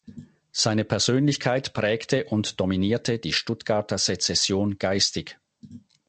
Seine Persönlichkeit prägte und dominierte die Stuttgarter Sezession geistig.